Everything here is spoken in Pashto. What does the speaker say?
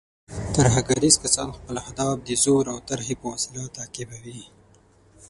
ترهګریز کسان خپل اهداف د زور او ترهې په وسیله تعقیبوي.